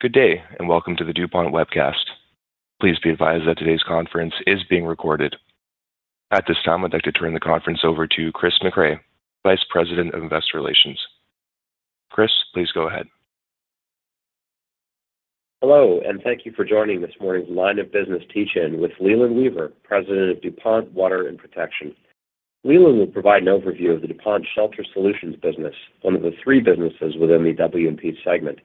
Good day, and welcome to the DuPont Webcast. Please be advised that today's conference is being recorded. At this time, I'd like to turn the conference over to Chris Mecray, Vice President of Investor Relations. Chris, please go ahead. Hello, and thank you for joining this morning's Line of Business Teach-in with Leland Weaver, President of DuPont Water and Protection. Leland will provide an overview of the DuPont Shelter Solutions business, one of the three businesses within the W&P segment.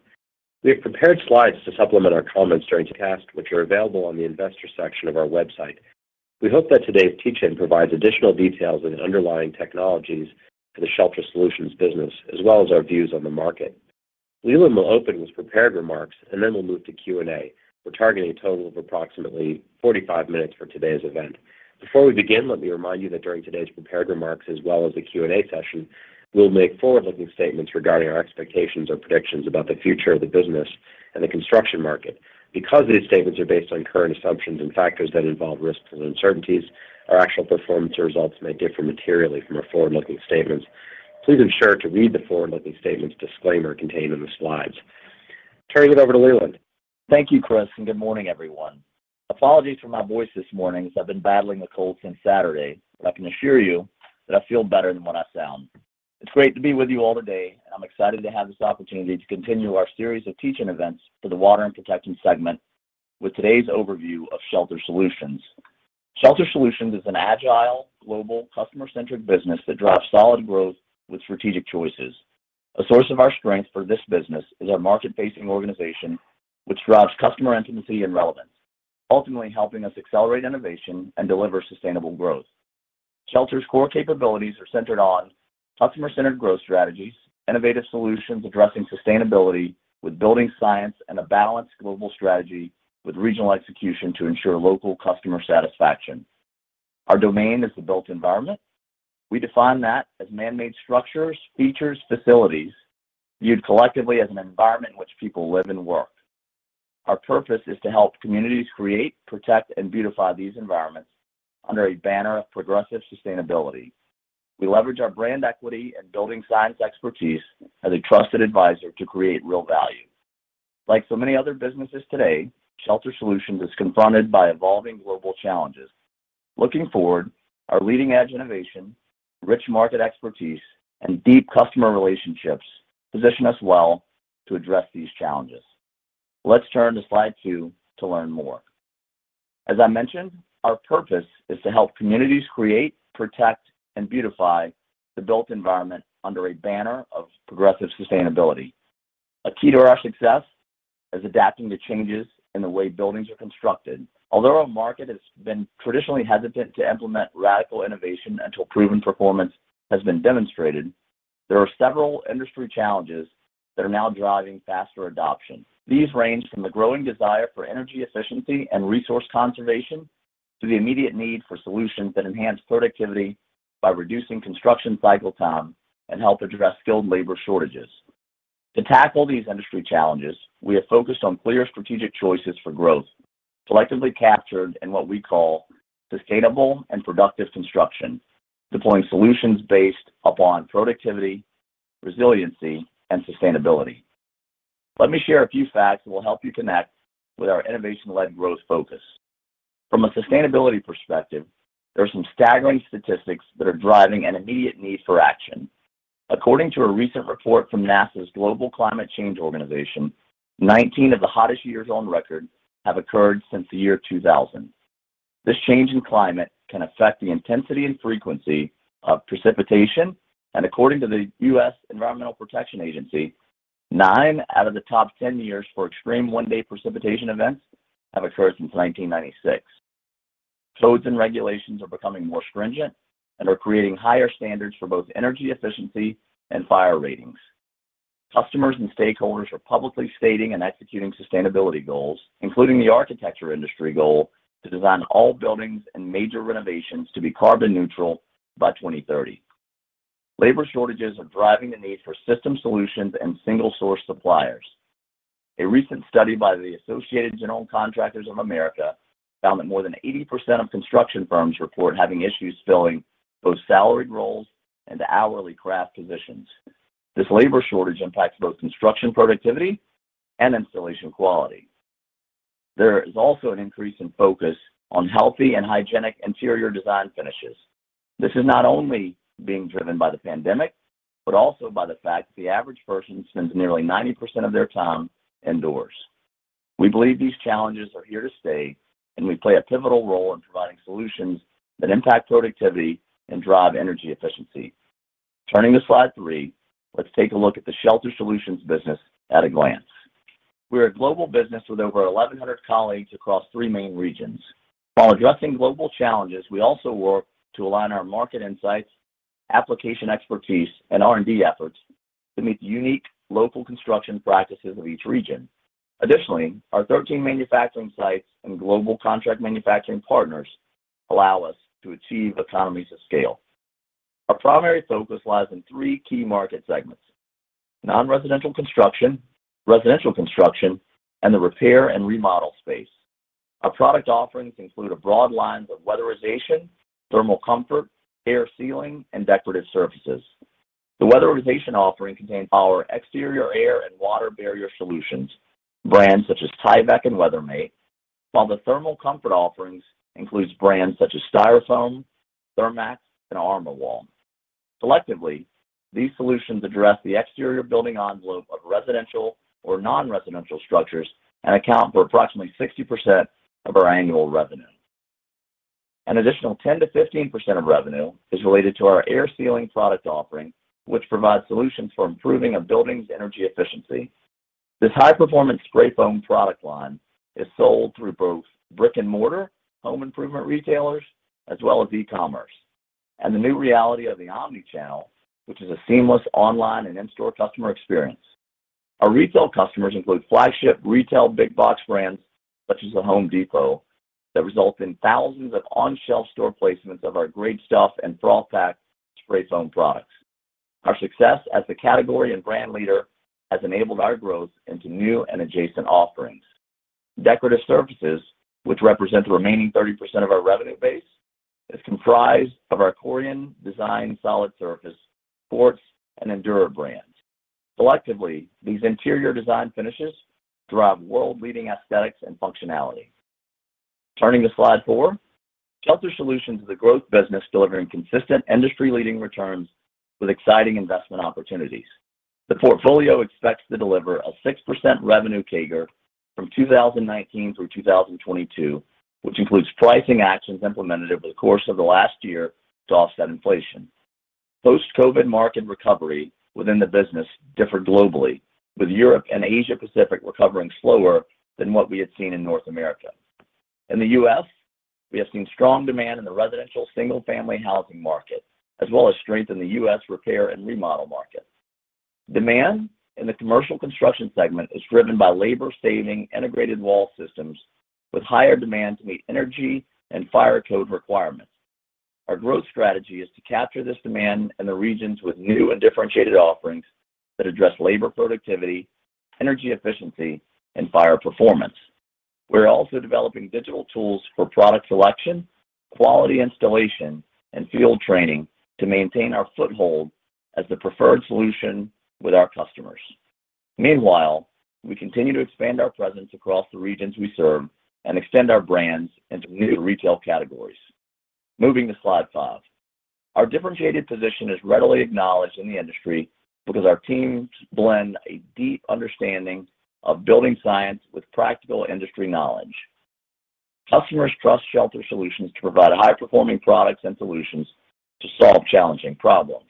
We have prepared slides to supplement our comments during the webcast, which are available on the Investor section of our website. We hope that today's teach-in provides additional details on the underlying technologies in the Shelter Solutions business, as well as our views on the market. Leland will open with prepared remarks and then we'll move to Q&A. We're targeting a total of approximately 45 minutes for today's event. Before we begin, let me remind you that during today's prepared remarks, as well as the Q&A session, we'll make forward-looking statements regarding our expectations or predictions about the future of the business and the construction market. Because these statements are based on current assumptions and factors that involve risks and uncertainties, our actual performance results may differ materially from our forward-looking statements. Please ensure to read the forward-looking statement's disclaimer contained in the slides. Turning it over to Leland. Thank you, Chris, and good morning, everyone. Apologies for my voice this morning as I've been battling the cold since Saturday, but I can assure you that I feel better than what I sound. It's great to be with you all today. I'm excited to have this opportunity to continue our series of teach-in events for the Water and Protection segment with today's overview of Shelter Solutions. Shelter Solutions is an agile, global, customer-centric business that drives solid growth with strategic choices. A source of our strength for this business is our market-facing organization, which drives customer intimacy and relevance, ultimately helping us accelerate innovation and deliver sustainable growth. Shelter's core capabilities are centered on customer-centered growth strategies, innovative solutions addressing sustainability with building science, and a balanced global strategy with regional execution to ensure local customer satisfaction. Our domain is the built environment. We define that as man-made structures, features, facilities viewed collectively as an environment in which people live and work. Our purpose is to help communities create, protect, and beautify these environments under a banner of progressive sustainability. We leverage our brand equity and building science expertise as a trusted advisor to create real value. Like so many other businesses today, Shelter Solutions is confronted by evolving global challenges. Looking forward, our leading-edge innovation, rich market expertise, and deep customer relationships position us well to address these challenges. Let's turn to slide two to learn more. As I mentioned, our purpose is to help communities create, protect, and beautify the built environment under a banner of progressive sustainability. A key to our success is adapting to changes in the way buildings are constructed. Although our market has been traditionally hesitant to implement radical innovation until proven performance has been demonstrated, there are several industry challenges that are now driving faster adoption. These range from the growing desire for energy efficiency and resource conservation to the immediate need for solutions that enhance productivity by reducing construction cycle time and help address skilled labor shortages. To tackle these industry challenges, we have focused on clear strategic choices for growth, collectively captured in what we call sustainable and productive construction, deploying solutions based upon productivity, resiliency, and sustainability. Let me share a few facts that will help you connect with our innovation-led growth focus. From a sustainability perspective, there are some staggering statistics that are driving an immediate need for action. According to a recent report from NASA's global climate change organization, 19 of the hottest years on record have occurred since the year 2000. This change in climate can affect the intensity and frequency of precipitation, and according to the U.S. Environmental Protection Agency, nine out of the top 10 years for extreme one-day precipitation events have occurred since 1996. Codes and regulations are becoming more stringent and are creating higher standards for both energy efficiency and fire ratings. Customers and stakeholders are publicly stating and executing sustainability goals, including the architecture industry goal to design all buildings and major renovations to be carbon neutral by 2030. Labor shortages are driving the need for system solutions and single-source suppliers. A recent study by the Associated General Contractors of America found that more than 80% of construction firms report having issues filling both salaried roles and hourly craft positions. This labor shortage impacts both construction productivity and installation quality. There is also an increase in focus on healthy and hygienic interior design finishes. This is not only being driven by the pandemic, but also by the fact that the average person spends nearly 90% of their time indoors. We believe these challenges are here to stay, and we play a pivotal role in providing solutions that impact productivity and drive energy efficiency. Turning to slide three, let's take a look at the Shelter Solutions business at a glance. We're a global business with over 1,100 colleagues across three main regions. While addressing global challenges, we also work to align our market insights, application expertise, and R&D efforts to meet the unique local construction practices of each region. Additionally, our 13 manufacturing sites and global contract manufacturing partners allow us to achieve economies of scale. Our primary focus lies in three key market segments: non-residential construction, residential construction, and the repair and remodel space. Our product offerings include a broad line of weatherization, thermal comfort, air sealing, and decorative surfaces. The weatherization offering contains our exterior air and water barrier solutions, brands such as Tyvek and Weathermate, while the thermal comfort offerings include brands such as Styrofoam, Thermax, and ArmorWall. Collectively, these solutions address the exterior building envelope of residential or non-residential structures and account for approximately 60% of our annual revenue. An additional 10%-15% of revenue is related to our air sealing product offering, which provides solutions for improving a building's energy efficiency. This high-performance spray foam product line is sold through both brick-and-mortar home improvement retailers, as well as e-commerce, and the new reality of the omnichannel, which is a seamless online and in-store customer experience. Our retail customers include flagship retail big box brands such as The Home Depot that result in thousands of on-shelf store placements of our Great Stuff and Froth-Pak spray foam products. Our success as the category and brand leader has enabled our growth into new and adjacent offerings. Decorative surfaces, which represent the remaining 30% of our revenue base, is comprised of our Corian Design Solid Surface, Quartz, and Endura brands. Collectively, these interior design finishes drive world-leading aesthetics and functionality. Turning to slide four, Shelter Solutions is a growth business delivering consistent industry-leading returns with exciting investment opportunities. The portfolio expects to deliver a 6% revenue CAGR from 2019 through 2022, which includes pricing actions implemented over the course of the last year to offset inflation. Post-COVID market recovery within the business differed globally, with Europe and Asia-Pacific recovering slower than what we had seen in North America. In the U.S., we have seen strong demand in the residential single-family housing market, as well as strength in the U.S. repair and remodel market. Demand in the commercial construction segment is driven by labor-saving integrated wall systems, with higher demand to meet energy and fire code requirements. Our growth strategy is to capture this demand in the regions with new and differentiated offerings that address labor productivity, energy efficiency, and fire performance. We're also developing digital tools for product selection, quality installation, and field training to maintain our foothold as the preferred solution with our customers. Meanwhile, we continue to expand our presence across the regions we serve and extend our brands into new retail categories. Moving to slide five, our differentiated position is readily acknowledged in the industry because our teams blend a deep understanding of building science with practical industry knowledge. Customers trust Shelter Solutions to provide high-performing products and solutions to solve challenging problems.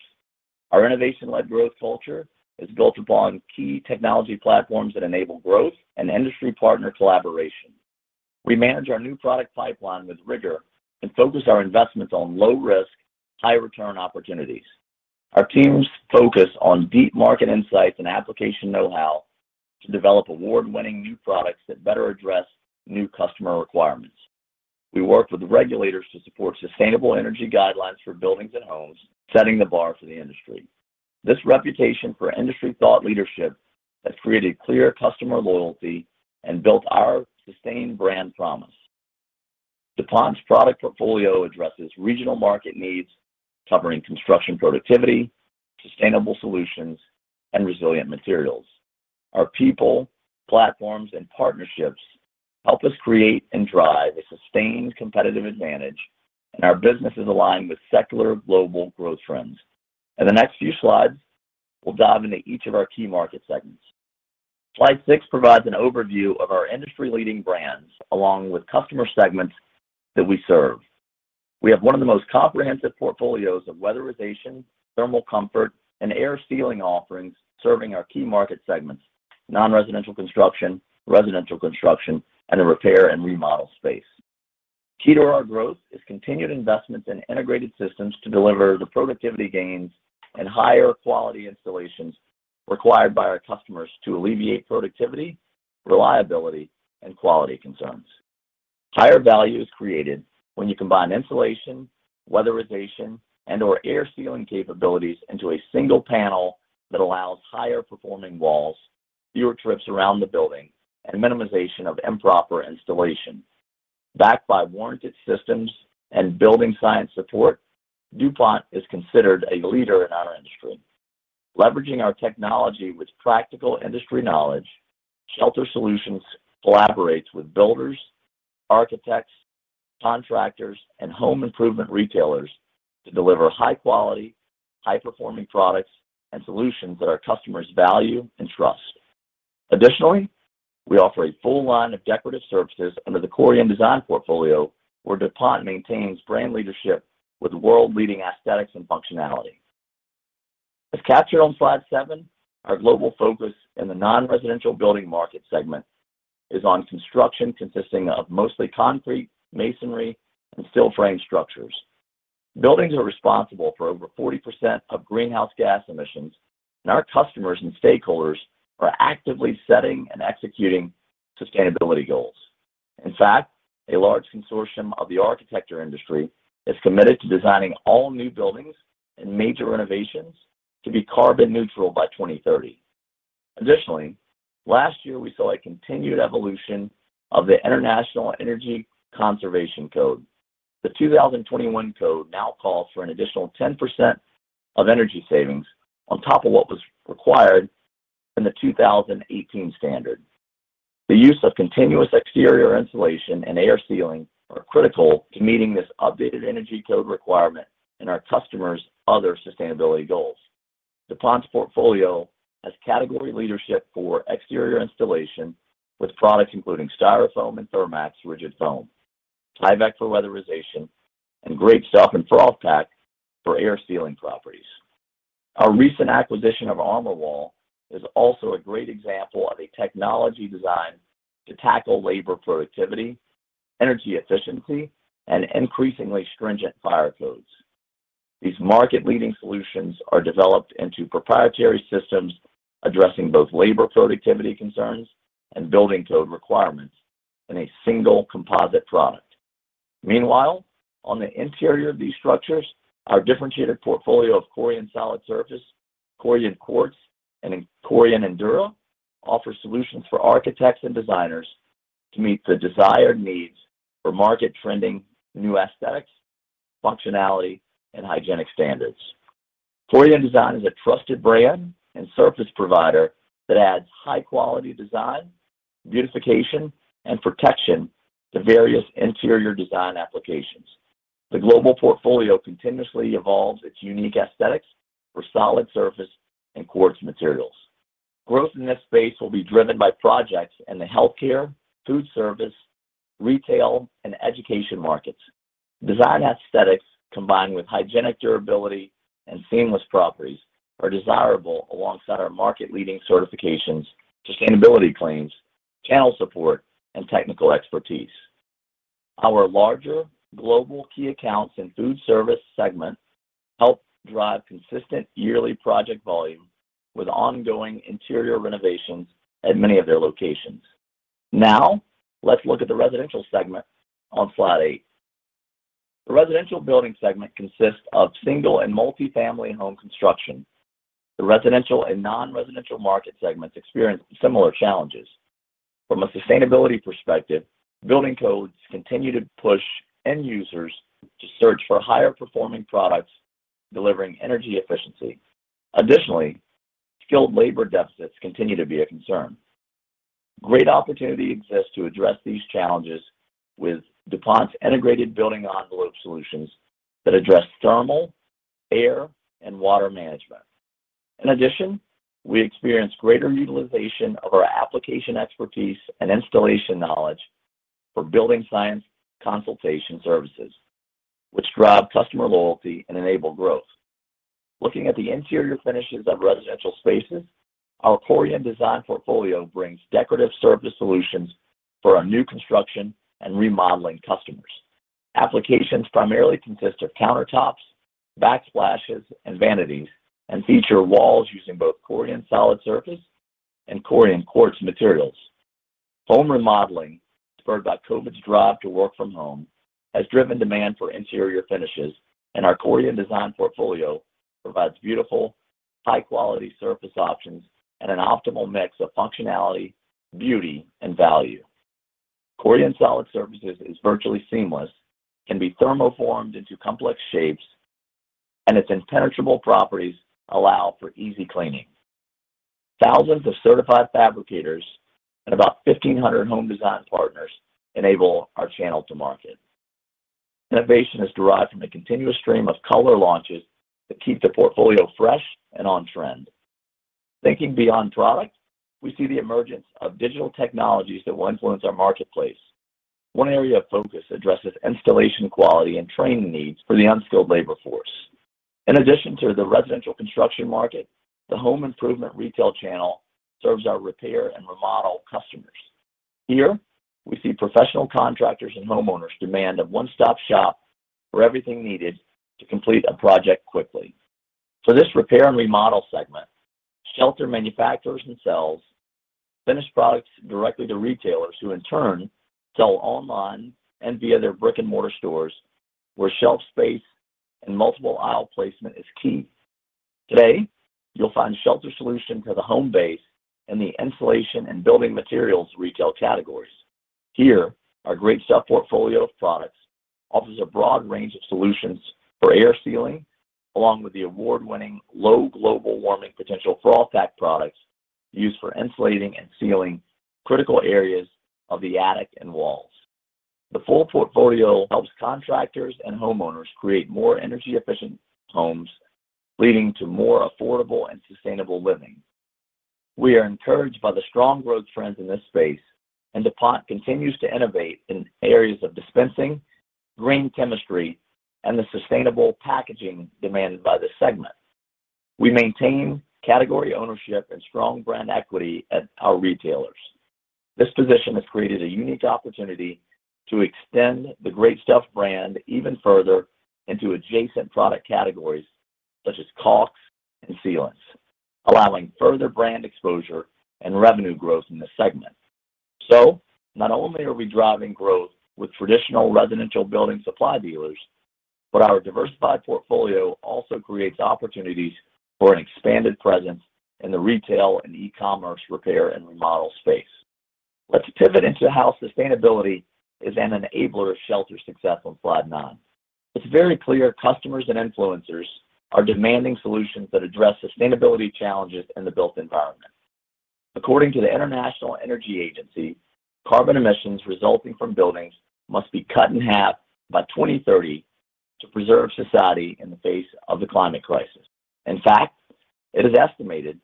Our innovation-led growth culture is built upon key technology platforms that enable growth and industry partner collaboration. We manage our new product pipeline with rigor and focus our investments on low-risk, high-return opportunities. Our teams focus on deep market insights and application know-how to develop award-winning new products that better address new customer requirements. We work with regulators to support sustainable energy guidelines for buildings and homes, setting the bar for the industry. This reputation for industry thought leadership has created clear customer loyalty and built our sustained brand promise. DuPont's product portfolio addresses regional market needs, covering construction productivity, sustainable solutions, and resilient materials. Our people, platforms, and partnerships help us create and drive a sustained competitive advantage, and our business is aligned with secular global growth trends. In the next few slides, we'll dive into each of our key market segments. Slide six provides an overview of our industry-leading brands, along with customer segments that we serve. We have one of the most comprehensive portfolios of weatherization, thermal comfort, and air sealing offerings serving our key market segments: non-residential construction, residential construction, and the repair and remodel space. Key to our growth is continued investments in integrated systems to deliver the productivity gains and higher quality installations required by our customers to alleviate productivity, reliability, and quality concerns. Higher value is created when you combine insulation, weatherization, and/or air sealing capabilities into a single panel that allows higher performing walls, fewer trips around the building, and minimization of improper installation. Backed by warranted systems and building science support, DuPont is considered a leader in our industry. Leveraging our technology with practical industry knowledge, Shelter Solutions collaborates with builders, architects, contractors, and home improvement retailers to deliver high-quality, high-performing products and solutions that our customers value and trust. Additionally, we offer a full line of decorative services under the Corian Design portfolio, where DuPont maintains brand leadership with world-leading aesthetics and functionality. As captured on slide seven, our global focus in the non-residential building market segment is on construction consisting of mostly concrete, masonry, and steel frame structures. Buildings are responsible for over 40% of greenhouse gas emissions, and our customers and stakeholders are actively setting and executing sustainability goals. In fact, a large consortium of the architecture industry is committed to designing all new buildings and major renovations to be carbon neutral by 2030. Additionally, last year we saw a continued evolution of the International Energy Conservation Code. The 2021 code now calls for an additional 10% of energy savings on top of what was required in the 2018 standard. The use of continuous exterior insulation and air sealing are critical to meeting this updated energy code requirement and our customers' other sustainability goals. DuPont's portfolio has category leadership for exterior insulation with products including Styrofoam and Thermax rigid foam, Tyvek for weatherization, and Great Stuff and Froth-Pak for air sealing properties. Our recent acquisition of ArmorWall is also a great example of a technology designed to tackle labor productivity, energy efficiency, and increasingly stringent fire codes. These market-leading solutions are developed into proprietary systems addressing both labor productivity concerns and building code requirements in a single composite product. Meanwhile, on the interior of these structures, our differentiated portfolio of Corian solid surface, Corian Quartz, and Corian Endura offers solutions for architects and designers to meet the desired needs for market trending new aesthetics, functionality, and hygienic standards. Corian Design is a trusted brand and service provider that adds high-quality design, beautification, and protection to various interior design applications. The global portfolio continuously evolves its unique aesthetics for solid surface and quartz materials. Growth in this space will be driven by projects in the healthcare, food service, retail, and education markets. Design aesthetics combined with hygienic durability and seamless properties are desirable alongside our market-leading certifications, sustainability claims, channel support, and technical expertise. Our larger global key accounts in the food service segment help drive consistent yearly project volume with ongoing interior renovations at many of their locations. Now, let's look at the residential segment on slide eight. The residential building segment consists of single and multifamily home construction. The residential and non-residential market segments experience similar challenges. From a sustainability perspective, building codes continue to push end users to search for higher performing products delivering energy efficiency. Additionally, skilled labor deficits continue to be a concern. Great opportunity exists to address these challenges with DuPont's integrated building envelope solutions that address thermal, air, and water management. In addition, we experience greater utilization of our application expertise and installation knowledge for building science consultation services, which drive customer loyalty and enable growth. Looking at the interior finishes of residential spaces, our Corian Design portfolio brings decorative surface solutions for our new construction and remodeling customers. Applications primarily consist of countertops, backsplashes, and vanities, and feature walls using both Corian solid surface and Corian Quartz materials. Home remodeling, spurred by COVID's drive to work from home, has driven demand for interior finishes, and our Corian Design portfolio provides beautiful, high-quality surface options and an optimal mix of functionality, beauty, and value. Corian solid surfaces are virtually seamless, can be thermoformed into complex shapes, and its impenetrable properties allow for easy cleaning. Thousands of certified fabricators and about 1,500 home design partners enable our channel to market. Innovation is derived from a continuous stream of color launches that keep the portfolio fresh and on trend. Thinking beyond product, we see the emergence of digital technologies that will influence our marketplace. One area of focus addresses installation quality and training needs for the unskilled labor force. In addition to the residential construction market, the home improvement retail channel serves our repair and remodel customers. Here, we see professional contractors and homeowners demand a one-stop shop for everything needed to complete a project quickly. For this repair and remodel segment, shelter manufacturers themselves finish products directly to retailers who in turn sell online and via their brick-and-mortar stores, where shelf space and multiple aisle placement is key. Today, you'll find Shelter Solutions for the home base in the insulation and building materials retail categories. Here, our Great Stuff portfolio of products offers a broad range of solutions for air sealing, along with the award-winning low global warming potential Froth-Pak products used for insulating and sealing critical areas of the attic and walls. The full portfolio helps contractors and homeowners create more energy-efficient homes, leading to more affordable and sustainable living. We are encouraged by the strong growth trends in this space, and DuPont continues to innovate in areas of dispensing, green chemistry, and the sustainable packaging demanded by this segment. We maintain category ownership and strong brand equity at our retailers. This position has created a unique opportunity to extend the Great Stuff brand even further into adjacent product categories such as caulks and sealants, allowing further brand exposure and revenue growth in the segment. Not only are we driving growth with traditional residential building supply dealers, our diversified portfolio also creates opportunities for an expanded presence in the retail and e-commerce repair and remodel space. Let's pivot into how sustainability is an enabler of shelter success on slide nine. It's very clear customers and influencers are demanding solutions that address sustainability challenges in the built environment. According to the International Energy Agency, carbon emissions resulting from buildings must be cut in half by 2030 to preserve society in the face of the climate crisis. In fact, it is estimated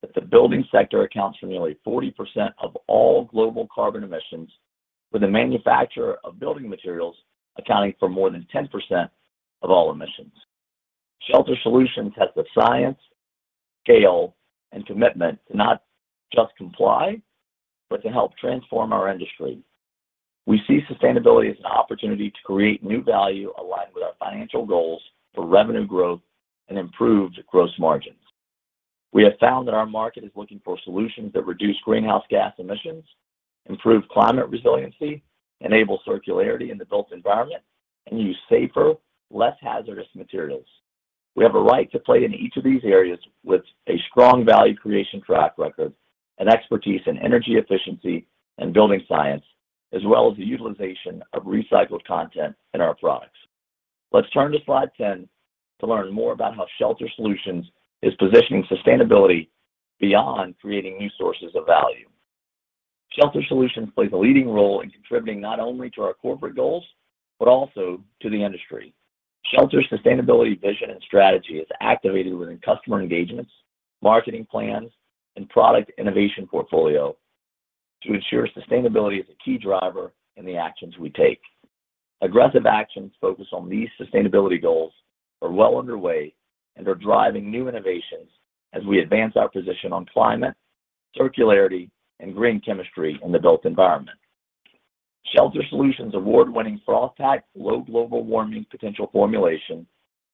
that the building sector accounts for nearly 40% of all global carbon emissions, with the manufacturer of building materials accounting for more than 10% of all emissions. Shelter Solutions has the science, scale, and commitment to not just comply, but to help transform our industry. We see sustainability as an opportunity to create new value aligned with our financial goals for revenue growth and improved gross margins. We have found that our market is looking for solutions that reduce greenhouse gas emissions, improve climate resiliency, enable circularity in the built environment, and use safer, less hazardous materials. We have a right to play in each of these areas with a strong value creation track record and expertise in energy efficiency and building science, as well as the utilization of recycled content in our products. Let's turn to slide 10 to learn more about how Shelter Solutions is positioning sustainability beyond creating new sources of value. Shelter Solutions plays a leading role in contributing not only to our corporate goals but also to the industry. Shelter's sustainability vision and strategy is activated within customer engagements, marketing plans, and product innovation portfolios to ensure sustainability is a key driver in the actions we take. Aggressive actions focused on these sustainability goals are well underway and are driving new innovations as we advance our position on climate, circularity, and green chemistry in the built environment. Shelter Solutions' award-winning Froth-Pak, low global warming potential formulation,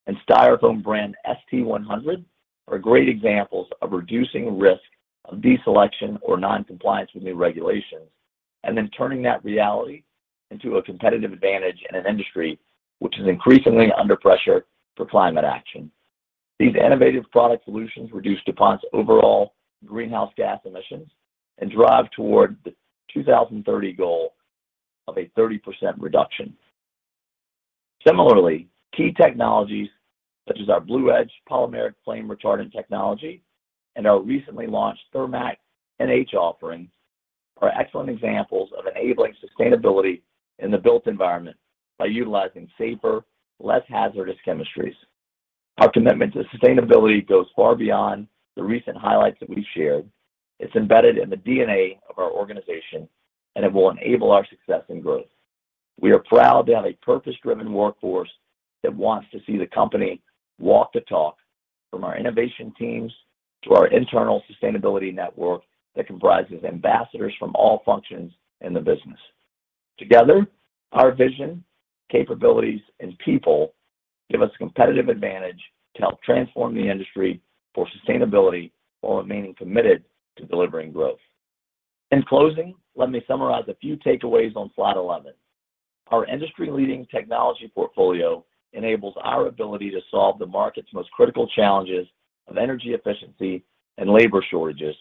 and Styrofoam brand ST-100 are great examples of reducing the risk of deselection or non-compliance with new regulations and then turning that reality into a competitive advantage in an industry which is increasingly under pressure for climate action. These innovative product solutions reduce DuPont's overall greenhouse gas emissions and drive toward the 2030 goal of a 30% reduction. Similarly, key technologies such as our BLUEDGE Polymeric Flame-Retardant Technology and our recently launched Thermax NH offering are excellent examples of enabling sustainability in the built environment by utilizing safer, less hazardous chemistries. Our commitment to sustainability goes far beyond the recent highlights that we shared. It's embedded in the DNA of our organization, and it will enable our success and growth. We are proud to have a purpose-driven workforce that wants to see the company walk the talk from our innovation teams to our internal sustainability network that comprises ambassadors from all functions in the business. Together, our vision, capabilities, and people give us a competitive advantage to help transform the industry for sustainability while remaining committed to delivering growth. In closing, let me summarize a few takeaways on slide 11. Our industry-leading technology portfolio enables our ability to solve the market's most critical challenges of energy efficiency and labor shortages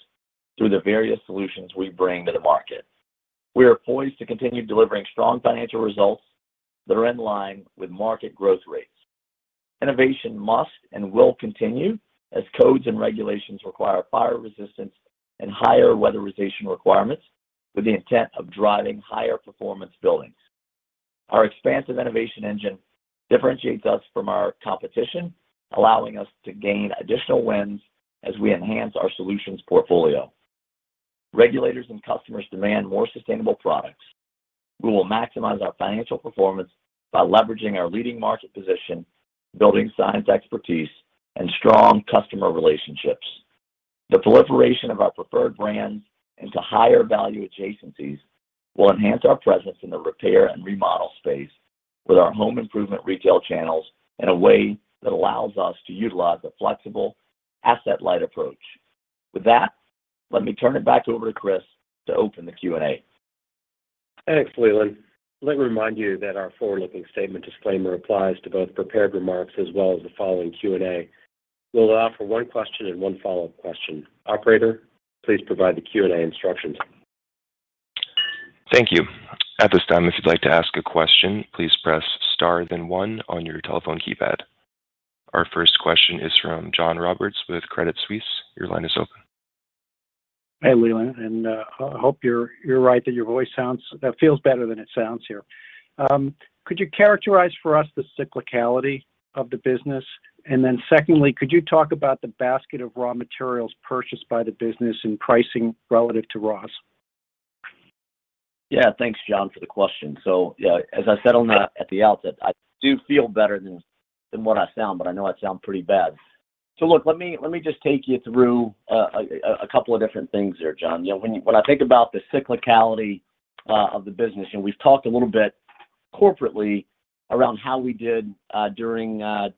through the various solutions we bring to the market. We are poised to continue delivering strong financial results that are in line with market growth rates. Innovation must and will continue as codes and regulations require fire resistance and higher weatherization requirements with the intent of driving higher performance buildings. Our expansive innovation engine differentiates us from our competition, allowing us to gain additional wins as we enhance our solutions portfolio. Regulators and customers demand more sustainable products. We will maximize our financial performance by leveraging our leading market position, building science expertise, and strong customer relationships. The proliferation of our preferred brand into higher value adjacencies will enhance our presence in the repair and remodel space with our home improvement retail channels in a way that allows us to utilize the flexible, asset-light approach. With that, let me turn it back over to Chris to open the Q&A. Thanks, Leland. Let me remind you that our forward-looking statement disclaimer applies to both prepared remarks as well as the following Q&A. We'll allow for one question and one follow-up question. Operator, please provide the Q&A instructions. Thank you. At this time, if you'd like to ask a question, please press star then one on your telephone keypad. Our first question is from John Roberts with Credit Suisse. Your line is open. Hey, Leland, I hope you're right that your voice feels better than it sounds here. Could you characterize for us the cyclicality of the business? Could you talk about the basket of raw materials purchased by the business and pricing relative to ROS? Yeah, thanks, John, for the question. As I said at the outset, I do feel better than what I sound, but I know I sound pretty bad. Let me just take you through a couple of different things there, John. When I think about the cyclicality of the business, we've talked a little bit corporately around how we did during the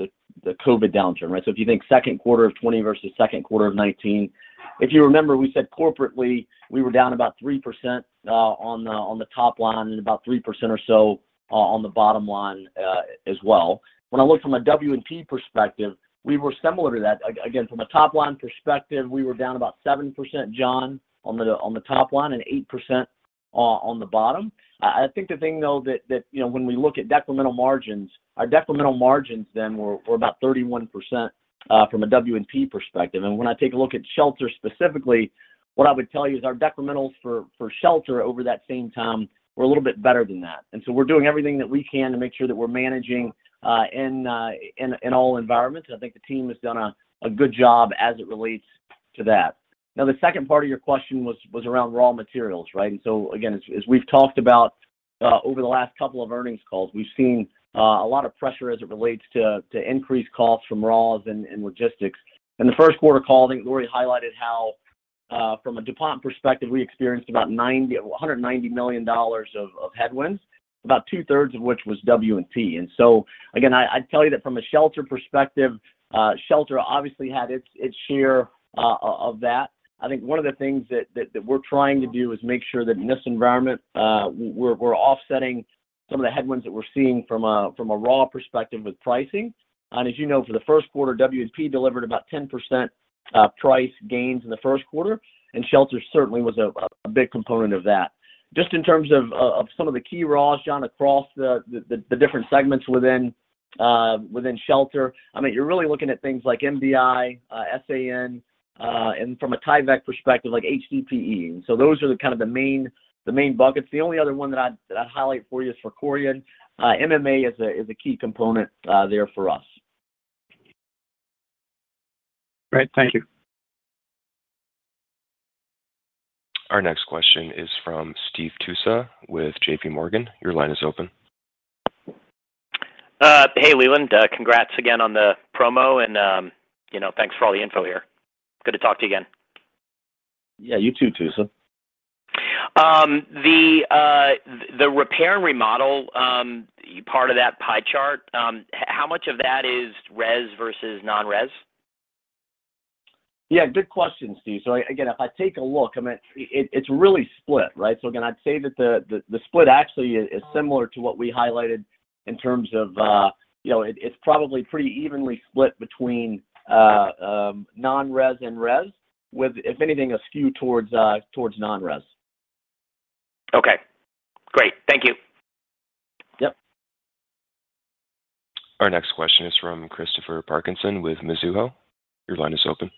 COVID downturn, right? If you think second quarter of 2020 versus second quarter of 2019, if you remember, we said corporately we were down about 3% on the top line and about 3% or so on the bottom line as well. When I looked from a W&P perspective, we were similar to that. Again, from a top line perspective, we were down about 7%, John, on the top line and 8% on the bottom. I think the thing, though, that when we look at decremental margins, our decremental margins then were about 31% from a W&P perspective. When I take a look at Shelter specifically, what I would tell you is our decrementals for Shelter over that same time were a little bit better than that. We are doing everything that we can to make sure that we're managing in all environments. I think the team has done a good job as it relates to that. The second part of your question was around raw materials, right? As we've talked about over the last couple of earnings calls, we've seen a lot of pressure as it relates to increased costs from raws and logistics. In the first quarter call, I think Lori highlighted how, from a DuPont perspective, we experienced about $190 million of headwinds, about two-thirds of which was W&P. Again, I'd tell you that from a Shelter perspective, Shelter obviously had its share of that. I think one of the things that we're trying to do is make sure that in this environment, we're offsetting some of the headwinds that we're seeing from a raw perspective with pricing. As you know, for the first quarter, W&P delivered about 10% price gains in the first quarter, and Shelter certainly was a big component of that. Just in terms of some of the key raws, John, across the different segments within Shelter, you're really looking at things like MDI, SAN, and from a Tyvek perspective, like HDPE. Those are the main buckets. The only other one that I'd highlight for you is for Corian. MMA is a key component there for us. Great. Thank you. Our next question is from Steve Tusa with JPMorgan. Your line is open. Hey, Leland, congrats again on the promo, and thanks for all the info here. Good to talk to you again. Yeah, you too, Tusa. The repair and remodel part of that pie chart, how much of that is res versus non-res? Good question, Steve. If I take a look, it's really split, right? I'd say that the split actually is similar to what we highlighted in terms of, you know, it's probably pretty evenly split between non-res and res, with, if anything, a skew towards non-res. Okay, great. Thank you. Yep. Our next question is from Christopher Parkinson with Mizuho. Your line is open.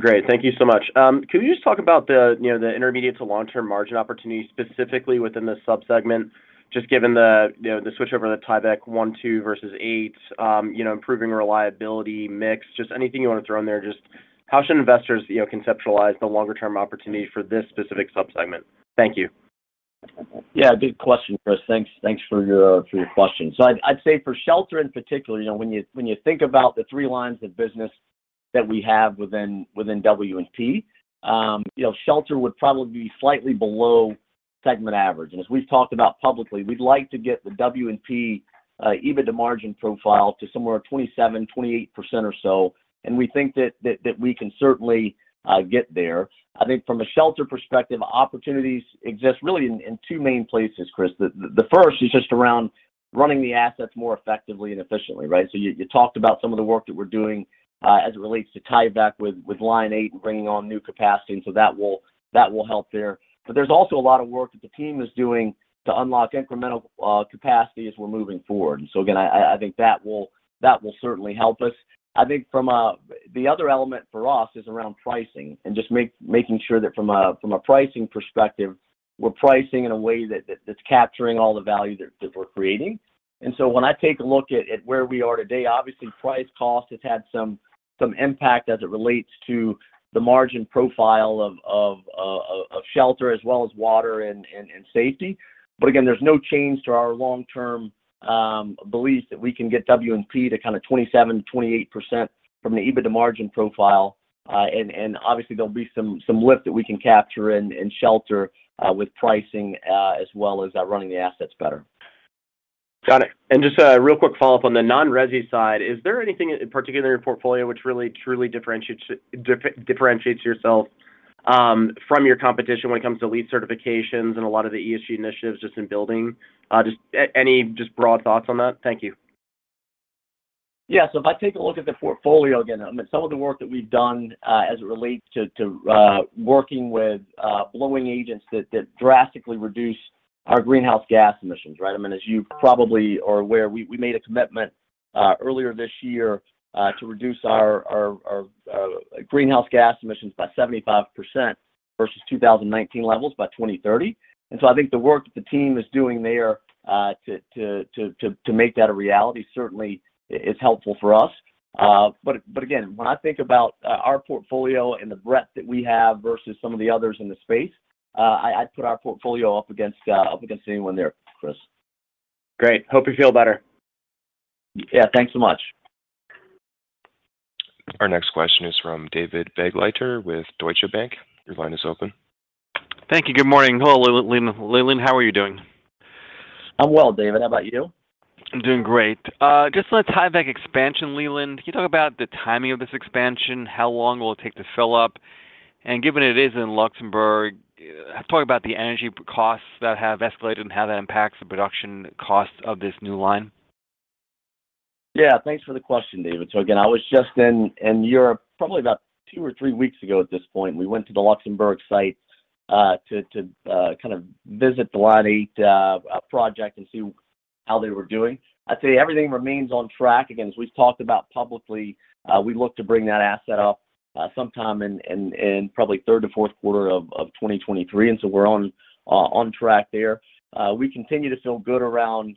Great, thank you so much. Can we just talk about the intermediate to long-term margin opportunity specifically within the subsegment, just given the switchover to Tyvek 1, 2, versus 8, improving reliability mix, just anything you want to throw in there, just how should investors conceptualize the longer-term opportunity for this specific subsegment? Thank you. Yeah, good question, Chris. Thanks for your question. I'd say for Shelter in particular, when you think about the three lines of business that we have within W&P, Shelter would probably be slightly below segment average. As we've talked about publicly, we'd like to get the W&P EBITDA margin profile to somewhere 27%, 28% or so, and we think that we can certainly get there. I think from a Shelter perspective, opportunities exist really in two main places, Chris. The first is just around running the assets more effectively and efficiently, right? You talked about some of the work that we're doing as it relates to Tyvek with line eight and bringing on new capacity, and that will help there. There's also a lot of work that the team is doing to unlock incremental capacity as we're moving forward. I think that will certainly help us. I think the other element for us is around pricing and just making sure that from a pricing perspective, we're pricing in a way that's capturing all the value that we're creating. When I take a look at where we are today, obviously price cost has had some impact as it relates to the margin profile of Shelter as well as water and safety. There's no change to our long-term belief that we can get W&P to kind of 27%, 28% from the EBITDA margin profile. Obviously, there'll be some lift that we can capture in shelter with pricing as well as running the assets better. Got it. Just a real quick follow-up on the non-resi side, is there anything in particular in your portfolio which really truly differentiates yourself from your competition when it comes to LEED certifications and a lot of the ESG initiatives just in building? Just any broad thoughts on that? Thank you. Yeah, so if I take a look at the portfolio again, some of the work that we've done as it relates to working with blowing agents that drastically reduce our greenhouse gas emissions, right? As you probably are aware, we made a commitment earlier this year to reduce our greenhouse gas emissions by 75% versus 2019 levels by 2030. I think the work that the team is doing there to make that a reality certainly is helpful for us. When I think about our portfolio and the breadth that we have versus some of the others in the space, I'd put our portfolio up against anyone there, Chris. Great. Hope you feel better. Yeah, thanks so much. Our next question is from David Begleiter with Deutsche Bank. Your line is open. Thank you. Good morning. Hello, Leland. How are you doing? I'm well, David. How about you? I'm doing great. Just on Tyvek expansion, Leland, can you talk about the timing of this expansion? How long will it take to fill up? Given it is in Luxembourg, talk about the energy costs that have escalated and how that impacts the production costs of this new line. Yeah, thanks for the question, David. I was just in Europe probably about two or three weeks ago at this point. We went to the Luxembourg site to visit the line eight project and see how they were doing. I'd say everything remains on track. As we've talked about publicly, we look to bring that asset up sometime in probably the third to fourth quarter of 2023, and we're on track there. We continue to feel good around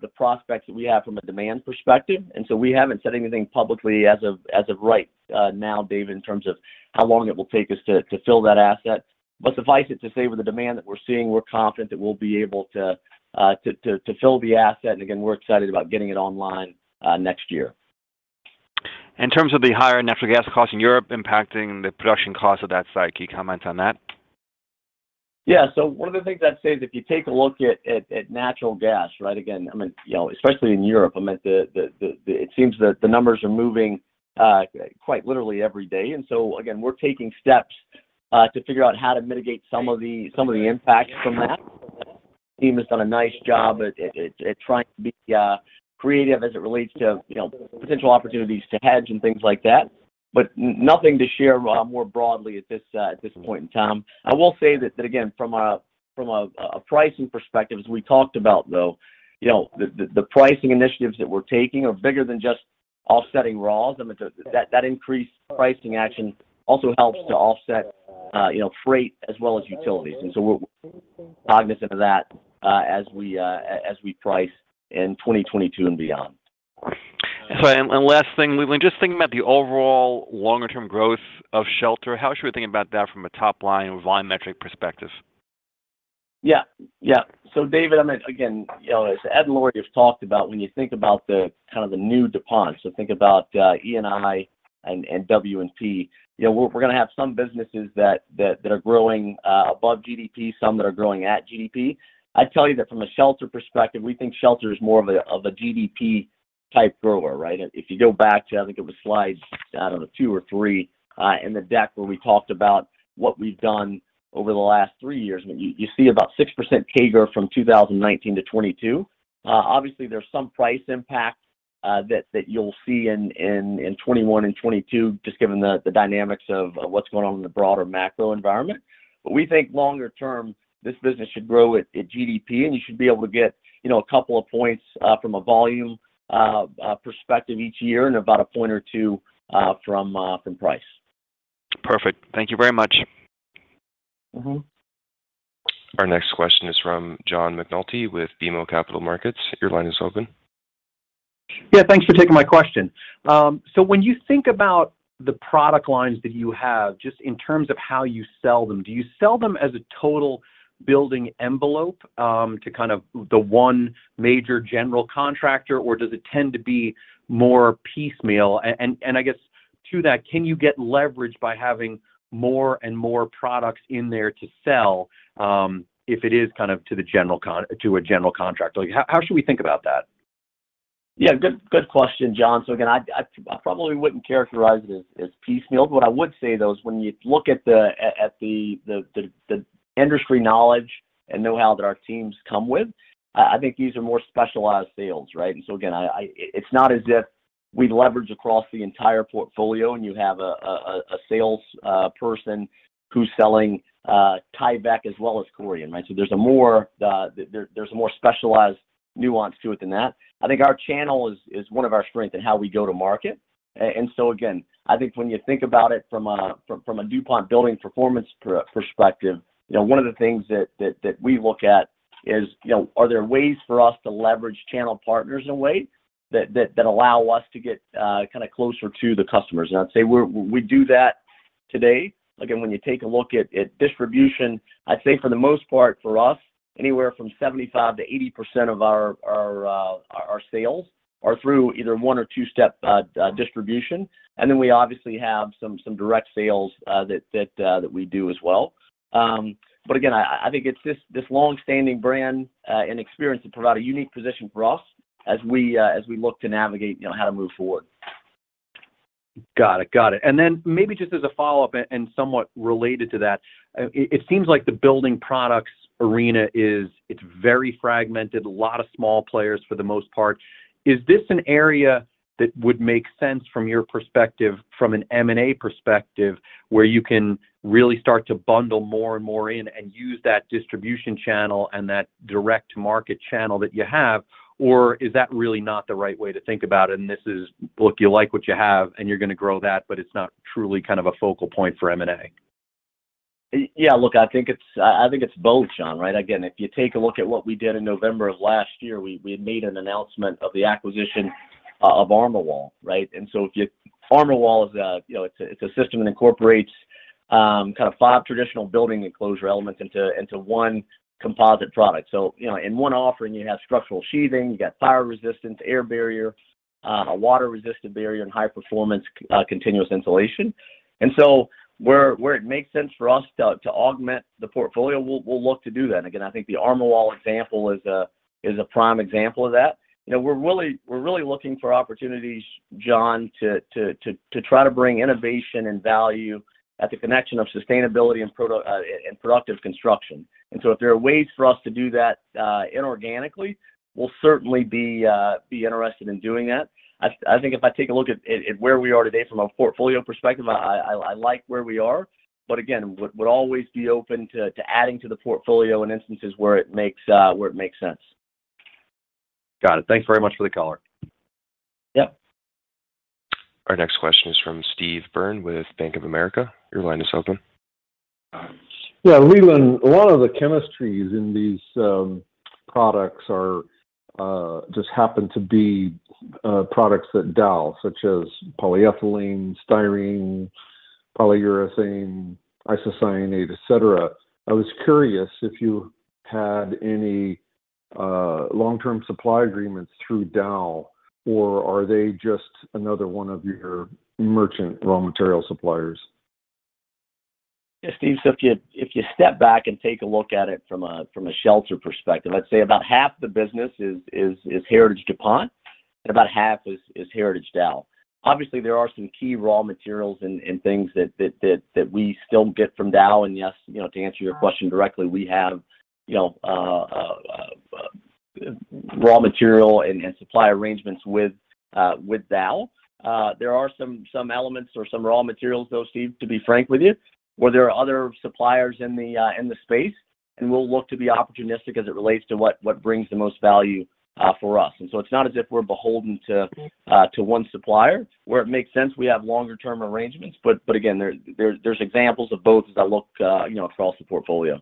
the prospects that we have from a demand perspective. We haven't said anything publicly as of right now, David, in terms of how long it will take us to fill that asset. Suffice it to say, with the demand that we're seeing, we're confident that we'll be able to fill the asset. We're excited about getting it online next year. In terms of the higher natural gas costs in Europe impacting the production costs of that site, can you comment on that? Yeah, one of the things I'd say is if you take a look at natural gas, right? Especially in Europe, it seems that the numbers are moving quite literally every day. We're taking steps to figure out how to mitigate some of the impacts from that. The team has done a nice job at trying to be creative as it relates to potential opportunities to hedge and things like that. Nothing to share more broadly at this point in time. I will say that from a pricing perspective, as we talked about, the pricing initiatives that we're taking are bigger than just offsetting ROS. That increased pricing action also helps to offset freight as well as utilities. We're cognizant of that as we price in 2022 and beyond. Leland, just thinking about the overall longer-term growth of Shelter, how should we think about that from a top line volumetric perspective? Yeah, yeah. David, as Ed and Lori have talked about, when you think about the kind of the new DuPont, so think about E&I and W&P, we're going to have some businesses that are growing above GDP, some that are growing at GDP. I'd tell you that from a Shelter perspective, we think Shelter is more of a GDP-type grower, right? If you go back to, I think it was slide two or three in the deck where we talked about what we've done over the last three years, you see about 6% CAGR from 2019 to 2022. Obviously, there's some price impact that you'll see in 2021 and 2022, just given the dynamics of what's going on in the broader macro environment. We think longer term, this business should grow at GDP, and you should be able to get a couple of points from a volume perspective each year and about a point or two from price. Perfect. Thank you very much. Our next question is from John McNulty with BMO Capital Markets. Your line is open. Thank you for taking my question. When you think about the product lines that you have, just in terms of how you sell them, do you sell them as a total building envelope to the one major general contractor, or does it tend to be more piecemeal? To that, can you get leverage by having more and more products in there to sell if it is to a general contractor? How should we think about that? Yeah, good question, John. I probably wouldn't characterize it as piecemeal. What I would say, though, is when you look at the industry knowledge and know-how that our teams come with, I think these are more specialized sales, right? It's not as if we leverage across the entire portfolio and you have a salesperson who's selling Tyvek as well as Corian, right? There's a more specialized nuance to it than that. I think our channel is one of our strengths in how we go to market. I think when you think about it from a DuPont building performance perspective, one of the things that we look at is, are there ways for us to leverage channel partners in a way that allow us to get kind of closer to the customers? I'd say we do that today. When you take a look at distribution, I'd say for the most part for us, anywhere from 75%-80% of our sales are through either one or two-step distribution. We obviously have some direct sales that we do as well. I think it's this longstanding brand and experience that provide a unique position for us as we look to navigate how to move forward. Got it, got it. Maybe just as a follow-up and somewhat related to that, it seems like the building products arena is very fragmented, a lot of small players for the most part. Is this an area that would make sense from your perspective, from an M&A perspective, where you can really start to bundle more and more in and use that distribution channel and that direct-to-market channel that you have? Is that really not the right way to think about it? You like what you have and you're going to grow that, but it's not truly kind of a focal point for M&A? Yeah, look, I think it's both, John, right? If you take a look at what we did in November of last year, we had made an announcement of the acquisition of ArmorWall, right? ArmorWall is a system that incorporates five traditional building enclosure elements into one composite product. In one offering, you have structural sheathing, you've got fire resistance, air barrier, a water-resistant barrier, and high-performance continuous insulation. Where it makes sense for us to augment the portfolio, we'll look to do that. I think the ArmorWall example is a prime example of that. We're really looking for opportunities, John, to try to bring innovation and value at the connection of sustainability and productive construction. If there are ways for us to do that inorganically, we'll certainly be interested in doing that. I think if I take a look at where we are today from a portfolio perspective, I like where we are. We'd always be open to adding to the portfolio in instances where it makes sense. Got it. Thanks very much for the color. Yep. Our next question is from Steve Byrne with Bank of America. Your line is open. Yeah, Leland, a lot of the chemistries in these products just happen to be products at Dow, such as polyethylene, styrene, polyurethane, isocyanate, et cetera. I was curious if you had any long-term supply agreements through Dow, or are they just another one of your merchant raw material suppliers? Yeah, Steve, if you step back and take a look at it from a Shelter perspective, I'd say about half the business is Heritage DuPont and about half is Heritage Dow. Obviously, there are some key raw materials and things that we still get from Dow. Yes, to answer your question directly, we have raw material and supply arrangements with Dow. There are some elements or some raw materials, though, Steve, to be frank with you, where there are other suppliers in the space. We'll look to be opportunistic as it relates to what brings the most value for us. It's not as if we're beholden to one supplier. Where it makes sense, we have longer-term arrangements. There are examples of both as I look across the portfolio.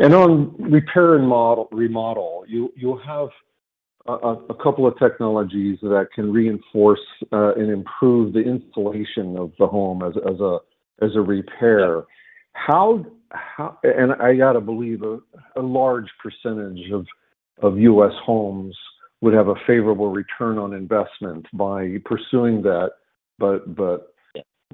On repair and remodel, you have a couple of technologies that can reinforce and improve the installation of the home as a repair. I have to believe a large percentage of U.S. homes would have a favorable return on investment by pursuing that.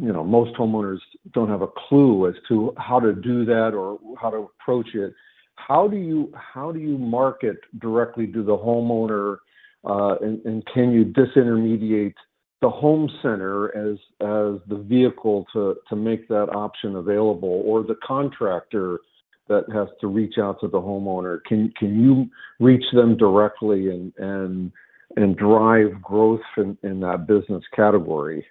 Most homeowners don't have a clue as to how to do that or how to approach it. How do you market directly to the homeowner? Can you disintermediate the home center as the vehicle to make that option available? Or the contractor that has to reach out to the homeowner, can you reach them directly and drive growth in that business category?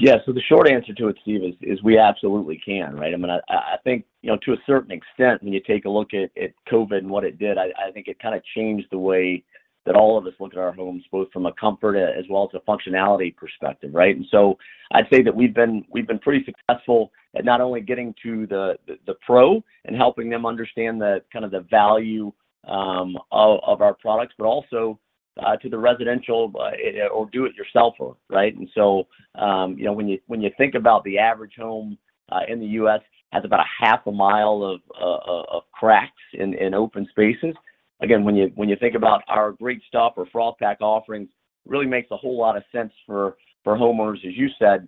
Yeah, so the short answer to it, Steve, is we absolutely can, right? I mean, I think, you know, to a certain extent, when you take a look at COVID and what it did, I think it kind of changed the way that all of us look at our homes, both from a comfort as well as a functionality perspective, right? I'd say that we've been pretty successful at not only getting to the pro and helping them understand the value of our products, but also to the residential or do-it-yourselfer, right? When you think about the average home in the U.S. has about a half a mile of cracks in open spaces. When you think about our Great Stuff or Froth-Pak offerings, it really makes a whole lot of sense for homeowners, as you said,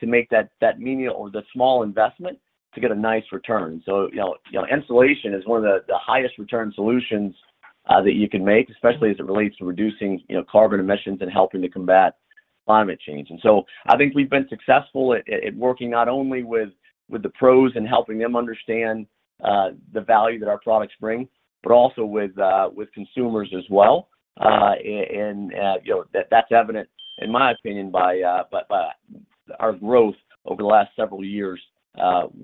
to make that menial or the small investment to get a nice return. Insulation is one of the highest return solutions that you can make, especially as it relates to reducing carbon emissions and helping to combat climate change. I think we've been successful at working not only with the pros and helping them understand the value that our products bring, but also with consumers as well. That's evident, in my opinion, by our growth over the last several years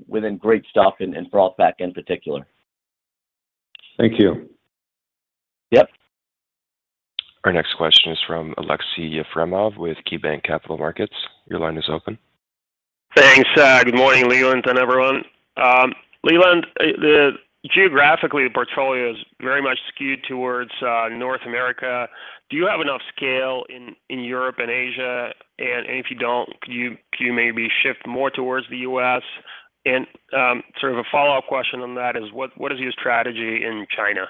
within Great Stuff and Froth-Pak in particular. Thank you. Yep. Our next question is from Aleksey Yefremov with KeyBanc Capital Markets. Your line is open. Thanks. Good morning, Leland, and everyone. Leland, geographically, the portfolio is very much skewed towards North America. Do you have enough scale in Europe and Asia? If you don't, could you maybe shift more towards the U.S.? A follow-up question on that is, what is your strategy in China?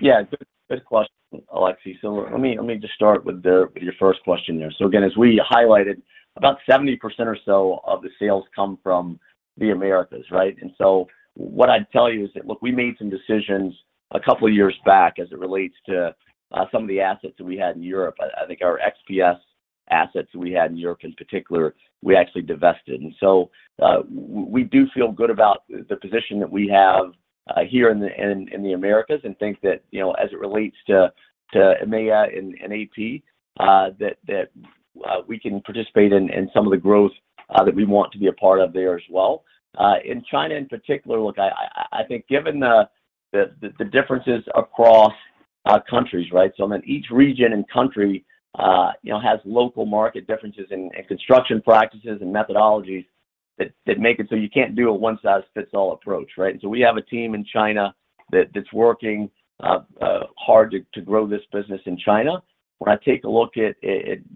Yeah, good question, Aleksey. Let me just start with your first question there. As we highlighted, about 70% or so of the sales come from the Americas, right? What I'd tell you is that we made some decisions a couple of years back as it relates to some of the assets that we had in Europe. I think our XPS assets that we had in Europe in particular, we actually divested. We do feel good about the position that we have here in the Americas and think that, as it relates to EMEA and AP, we can participate in some of the growth that we want to be a part of there as well. In China in particular, I think given the differences across countries, each region and country has local market differences in construction practices and methodologies that make it so you can't do a one-size-fits-all approach, right? We have a team in China that's working hard to grow this business in China. When I take a look at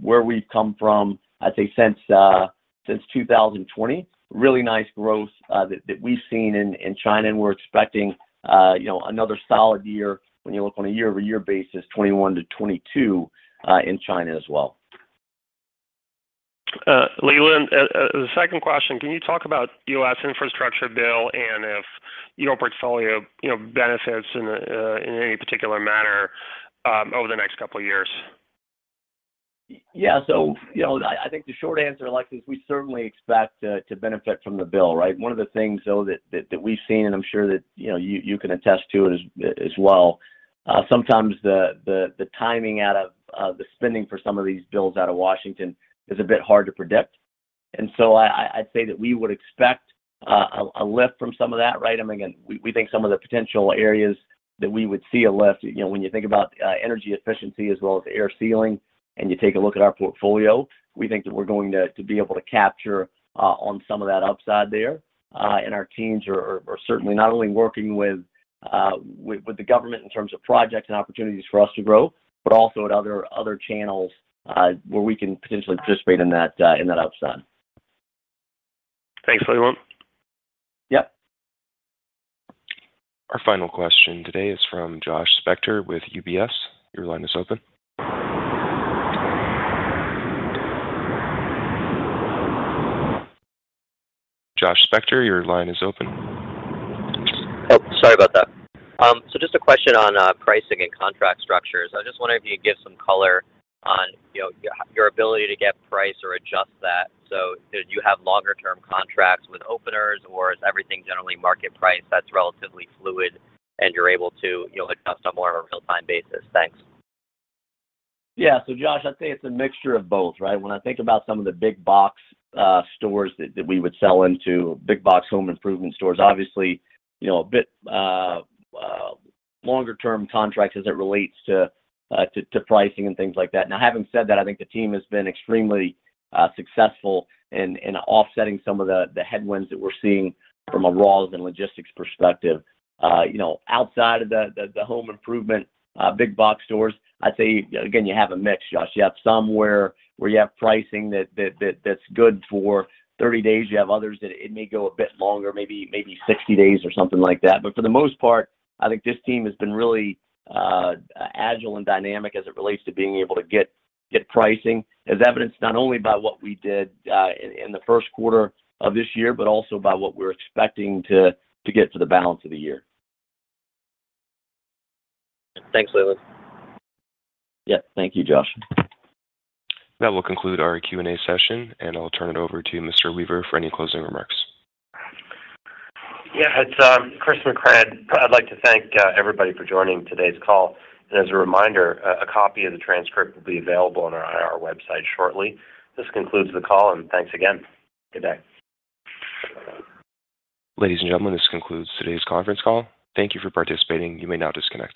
where we've come from, I'd say since 2020, really nice growth that we've seen in China, and we're expecting another solid year when you look on a year-over-year basis, 2021 to 2022 in China as well. Leland, the second question, can you talk about the U.S. infrastructure bill and if your portfolio benefits in any particular manner over the next couple of years? Yeah, I think the short answer, Alexey, is we certainly expect to benefit from the bill, right? One of the things that we've seen, and I'm sure that you can attest to it as well, sometimes the timing out of the spending for some of these bills out of Washington is a bit hard to predict. I'd say that we would expect a lift from some of that, right? We think some of the potential areas that we would see a lift, when you think about energy efficiency as well as air sealing, and you take a look at our portfolio, we think that we're going to be able to capture on some of that upside there. Our teams are certainly not only working with the government in terms of projects and opportunities for us to grow, but also at other channels where we can potentially participate in that upside. Thanks, Leland. Yep. Our final question today is from Josh Spector with UBS. Your line is open. Josh Spector, your line is open. Sorry about that. Just a question on pricing and contract structures. I was just wondering if you could give some color on your ability to get price or adjust that. Do you have longer-term contracts with openers, or is everything generally market priced that's relatively fluid and you're able to adjust on more of a real-time basis? Thanks. Yeah, Josh, I'd say it's a mixture of both, right? When I think about some of the big box stores that we would sell into, big box home improvement stores, obviously, you know, a bit longer-term contracts as it relates to pricing and things like that. Now, having said that, I think the team has been extremely successful in offsetting some of the headwinds that we're seeing from a raws and logistics perspective. Outside of the home improvement big box stores, I'd say, again, you have a mix, Josh. You have some where you have pricing that's good for 30 days. You have others that it may go a bit longer, maybe 60 days or something like that. For the most part, I think this team has been really agile and dynamic as it relates to being able to get pricing, as evidenced not only by what we did in the first quarter of this year, but also by what we're expecting to get for the balance of the year. Thanks, Leland. Yeah, thank you, Josh. That will conclude our Q&A session, and I'll turn it over to Mr. Weaver for any closing remarks. Yeah, it's Chris Mecray. I'd like to thank everybody for joining today's call. As a reminder, a copy of the transcript will be available on our website shortly. This concludes the call, and thanks again. Good day. Ladies and gentlemen, this concludes today's conference call. Thank you for participating. You may now disconnect.